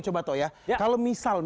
coba toh ya kalau misal